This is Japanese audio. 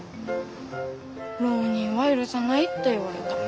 浪人は許さないって言われた。